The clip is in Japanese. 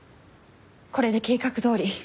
これで計画どおり。